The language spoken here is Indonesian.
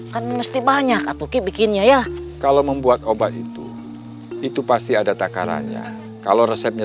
kan mesti banyak apoki bikinnya ya kalau membuat obat itu itu pasti ada takarannya kalau resepnya